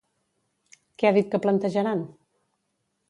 Què ha dit que plantejaran?